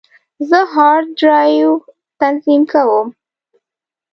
زه هارد ډرایو تنظیم کوم.